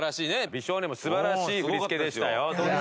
美少年も素晴らしい振り付けでしたよ。